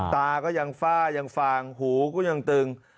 ตาก็ยังฝ้ายังฟางหูก็ยังตึง